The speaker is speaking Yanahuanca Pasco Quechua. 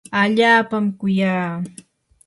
allaapami kuyaa.